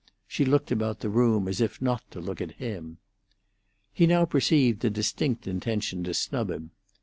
She looked about the room as if not to look at him. He now perceived a distinct intention to snub him.